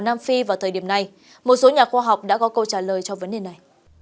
một số nhà khoa học đã có câu trả lời cho vấn đề này